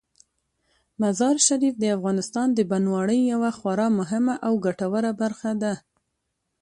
مزارشریف د افغانستان د بڼوالۍ یوه خورا مهمه او ګټوره برخه ده.